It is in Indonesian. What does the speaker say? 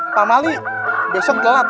udah usut gelap